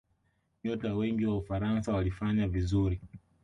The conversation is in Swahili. nyota wengi wa ufaransa walifanya vizuri